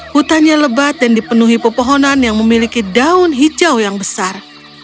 hutannya lebat dan dipenuhi pepohonan yang memiliki daun hijau yang besar